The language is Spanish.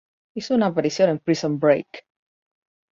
Hizo una aparición en "Prison Break".